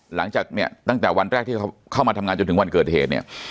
หลังจากเนี่ยตั้งแต่วันแรกที่เขาเข้ามาทำงานจนถึงวันเกิดเหตุเนี่ย